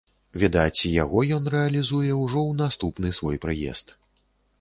Відаць, яго ён рэалізуе ўжо ў наступны свой прыезд.